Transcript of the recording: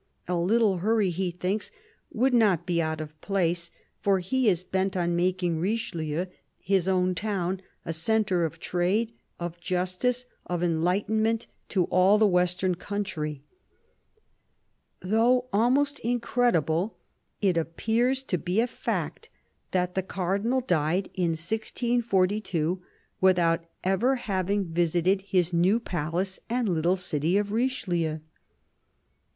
A Uttle hurry, he thinks, would not be out of place, for he is bent on making Richelieu, his own town, a centre of trade, of justice, of enlightenment, to all the western country. Though almost incredible, it appears to be a fact that the Cardinal died in 1642 without ever having visited his 238 CARDINAL DE RICHELIEU new palace and little city of Richelieu.